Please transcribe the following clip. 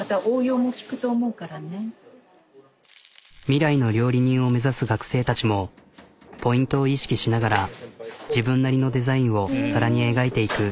未来の料理人を目指す学生たちもポイントを意識しながら自分なりのデザインを皿に描いていく。